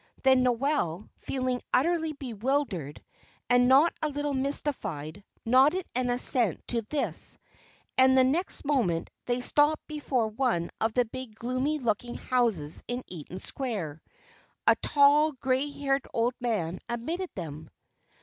Then Noel, feeling utterly bewildered, and not a little mystified, nodded an assent to this, and the next moment they stopped before one of the big, gloomy looking houses in Eaton Square. A tall, grey haired old man admitted them.